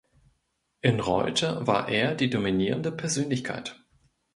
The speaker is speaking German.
In Reute war er die dominierende Persönlichkeit.